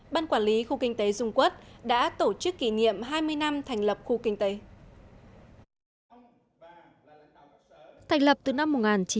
ban quản lý khu kinh tế dung quốc đã tổ chức kỷ niệm hai mươi năm thành lập khu kinh tế